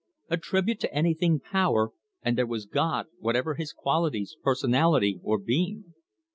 Attribute to anything power, and there was God, whatever His qualities, personality, or being.